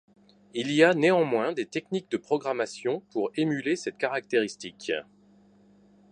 Il y a néanmoins des techniques de programmation pour émuler cette caractéristique.